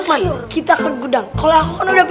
jadi kita akan akibat tapi